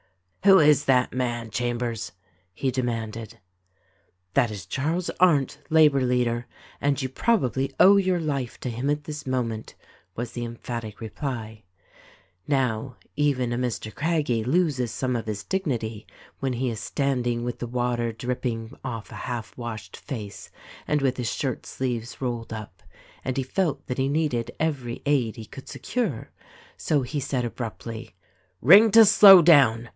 "Who is that man, Chambers?" he demanded. "That is Charles Arndt, labor leader; and you probably owe your life to him at this moment," was the emphatic reply. Now, even a Mr. Craggie loses some of his dignity when he is standing with the water dripping off a half washed face and with his shirt sleeves rolled up, and he felt that he needed eve'ry aid he could secure ; so he said abruptly : "Ring to slow down